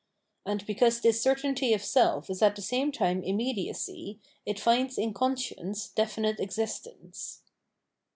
And because this certainty of self is at the same time immediacy, it finds in conscience definite existence.